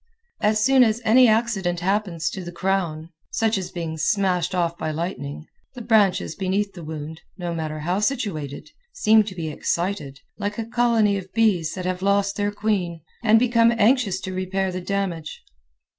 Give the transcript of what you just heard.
As soon as any accident happens to the crown, such as being smashed off by lightning, the branches beneath the wound, no matter how situated, seem to be excited, like a colony of bees that have lost their queen, and become anxious to repair the damage.